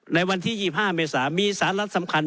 ในวันที่๒๕เมษามีสาระสำคัญ